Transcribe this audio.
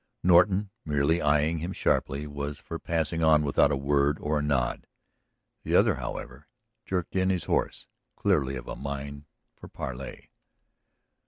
Norton, merely eying him sharply, was for passing on without a word or a nod. The other, however, jerked in his horse, clearly of a mind for parley.